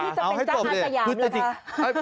พี่จะเป็นชักอาจยาร์มหรือคะ